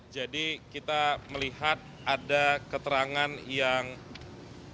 jadi kita melihat ada keterangan yang tidak benar